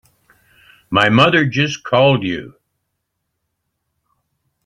My mother just called you?